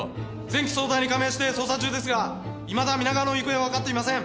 全機捜隊に下命して捜査中ですがいまだ皆川の行方はわかっていません。